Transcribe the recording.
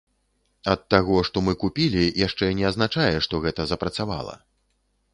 Ад таго, што мы купілі, яшчэ не азначае, што гэта запрацавала.